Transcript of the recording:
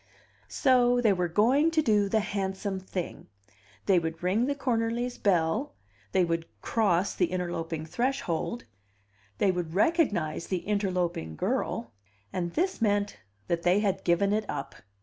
So they were going to do the handsome thing; they would ring the Cornerlys' bell; they would cross the interloping threshold, they would recognize the interloping girl; and this meant that they had given it up.